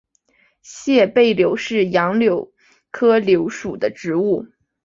褐背柳是杨柳科柳属的植物。